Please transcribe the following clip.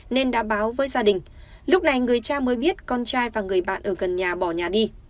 nên đã báo với gia đình lúc này người cha mới biết con trai và người bạn ở gần nhà bỏ nhà đi